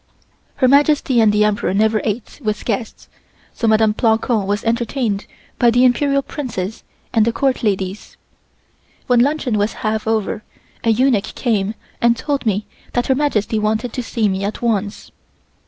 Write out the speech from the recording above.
Her Majesty and the Emperor never ate with guests, so Mdme. Plancon was entertained by the Imperial Princess and the Court ladies. When luncheon was half over a eunuch came and told me that Her Majesty wanted to see me at once.